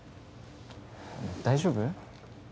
大丈夫？